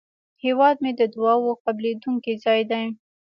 هیواد مې د دعاوو قبلېدونکی ځای دی